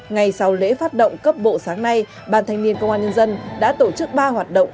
ngày sau lễ phát động cấp bộ sáng nay ban thanh niên công an nhân dân đã tổ chức ba hoạt động